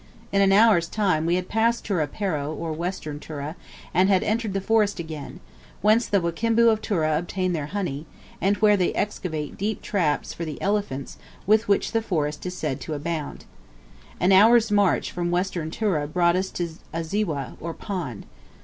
In an hour's time we had passed Tura Perro, or Western Tura, and had entered the forest again, whence the Wakimbu of Tura obtain their honey, and where they excavate deep traps for the elephants with which the forest is said to abound. An hour's march from Western Tura brought us to a ziwa, or pond.